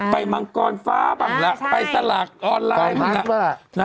ไปมังกรฟ้าบ้างล่ะไปสลากอนไลน์